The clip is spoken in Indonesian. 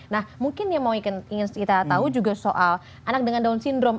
nah mungkin yang ingin kita tahu juga soal anak dengan down syndrome